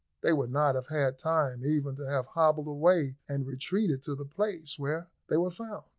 They would not have had time even to have hobbled away and retreated to the place where they were found.